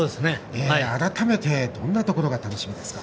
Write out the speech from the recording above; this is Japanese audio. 改めて、どんなところが楽しみですか？